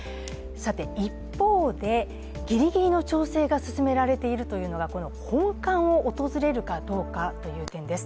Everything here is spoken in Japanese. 一方でギリギリの調整が進められているのが本館を訪れるかどうかという点です。